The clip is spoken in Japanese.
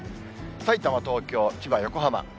さいたま、東京、千葉、横浜。